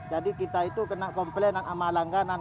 jadi kita itu kena komplainan sama langganan